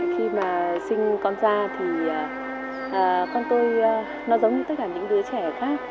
khi mà sinh con ra thì con tôi nó giống như tất cả những đứa trẻ khác